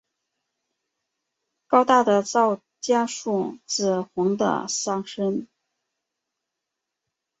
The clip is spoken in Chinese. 高大的皂荚树，紫红的桑葚